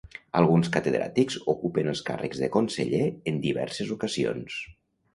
Alguns catedràtics ocupen els càrrecs de conseller en diverses ocasions.